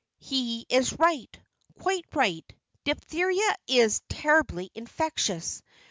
"He is right, quite right. Diphtheria is terribly infectious.